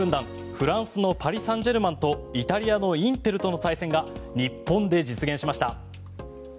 フランスのパリ・サンジェルマンとイタリアのインテルとの対戦が日本で実現しました。